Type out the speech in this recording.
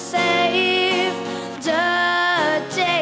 ที่พอจับกีต้าร์ปุ๊บ